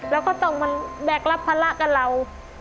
เราก็ต้องมาแบกรับภาระกับเรา